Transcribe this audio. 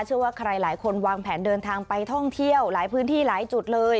เชื่อว่าใครหลายคนวางแผนเดินทางไปท่องเที่ยวหลายพื้นที่หลายจุดเลย